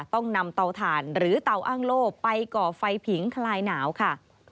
ต้องนำเตาถ่านหรือเตาอ้างโล่ไปก่อไฟผิงคลายหนาวค่ะ